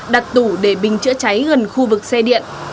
đặt tủ để bình chữa cháy gần khu vực xe điện